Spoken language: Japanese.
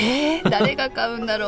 誰が買うんだろう？